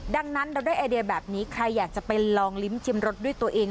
ดังนั้นเราได้ไอเดียแบบนี้ใครอยากจะไปลองลิ้มชิมรสด้วยตัวเอง